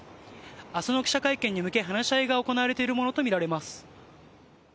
明日の記者会見に向け話し合いが行われているものとみられています。